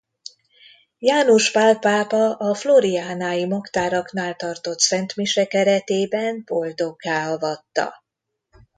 János Pál pápa a florianai Magtáraknál tartott szentmise keretében boldoggá avatta.